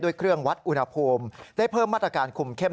เครื่องวัดอุณหภูมิได้เพิ่มมาตรการคุมเข้ม